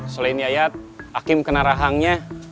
selain yayat hakim kena rahangnya